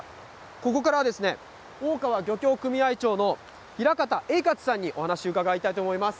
ここからはですね、大川漁協組合長の平方栄勝さんにお話伺いたいと思います。